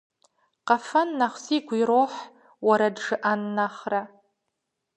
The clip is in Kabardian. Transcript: Къэфэн нэхъ сигу ирохь уэрэд жыӏэн нэхърэ.